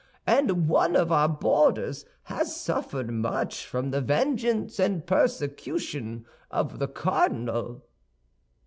And one of our boarders has suffered much from the vengeance and persecution of the cardinal!"